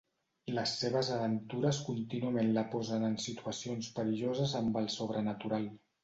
Les seves aventures contínuament la posen en situacions perilloses amb el sobrenatural.